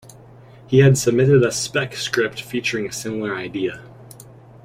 He had submitted a spec script featuring a similar idea.